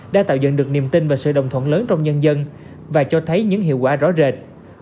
đã tạo dựng được niềm tin và sự đồng thuận lớn trong nhân dân và cho thấy những hiệu quả rõ rệt